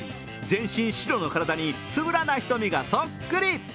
全身白の体につぶらな瞳がそっくり。